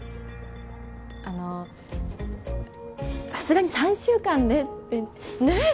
あのさすがに３週間でってねえ